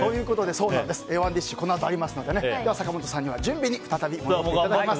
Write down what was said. ＯｎｅＤｉｓｈこのあとありますので坂本さんには準備に戻っていただきます。